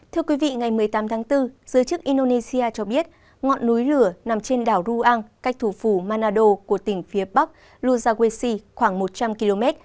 thưa quý vị ngày một mươi tám tháng bốn giới chức indonesia cho biết ngọn núi lửa nằm trên đảo ruang cách thủ phủ manado của tỉnh phía bắc lusawesi khoảng một trăm linh km